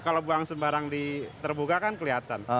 kalau buang sembarang terbuka kan kelihatan